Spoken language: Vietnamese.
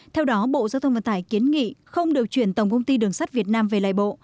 theo đó bộ giao thông vận tải kiến nghị không điều chuyển tổng công ty đường sắt việt nam về lại bộ